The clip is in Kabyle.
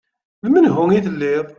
D menhu i telliḍ!